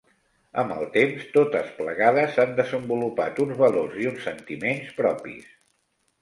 Amb el temps totes plegades han desenvolupat uns valors i uns sentiments propis.